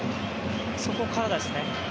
そこからですね。